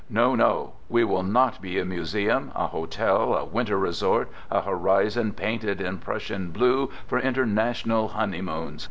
"No! No! We will not be a museum, a hotel, a winter resort, a horizon painted in Prussian blue for international honeymoons!"